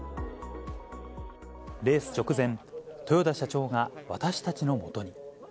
レース直前、豊田社長が私たちのもとに。